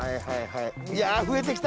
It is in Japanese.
いやあ増えてきた。